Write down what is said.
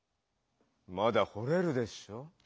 まだほれるでしょ？